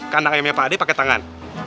kandang ayamnya pade pake tangan